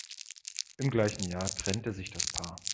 Im gleichen Jahr trennte sich das Paar.